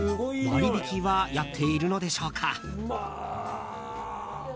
割引はやっているのでしょうか。